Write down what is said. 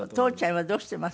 今どうしてます？